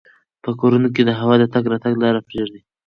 په کورونو کې د هوا د تګ راتګ لاره پریږدئ.